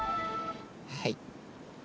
はい。